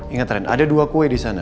ingat trend ada dua kue di sana